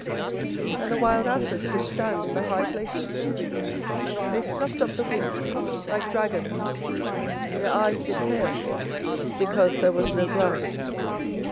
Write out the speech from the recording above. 24:014:006 And the wild asses did stand in the high places, they snuffed up the wind like dragons; their eyes did fail, because there was no grass.